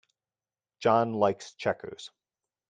John likes checkers.